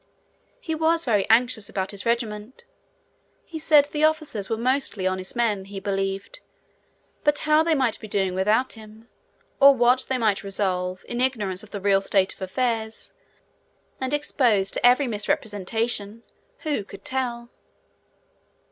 He was very anxious about his regiment. He said the officers were mostly honest men, he believed, but how they might be doing without him, or what they might resolve, in ignorance of the real state of affairs, and exposed to every misrepresentation, who could tell?